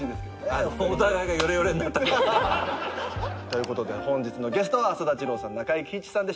ということで本日のゲストは浅田次郎さん